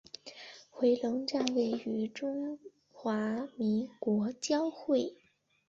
回龙站位于中华民国交会。